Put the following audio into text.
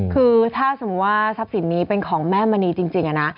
คือถ้าสมมุติว่าทรัพย์สินนี้เป็นของแม่มณีจริงนะ